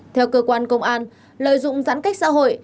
theo cơ quan công an lợi dụng giãn cách xã hội